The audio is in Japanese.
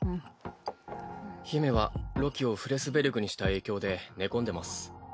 姫はロキをフレスベルグにした影響で寝込んでます。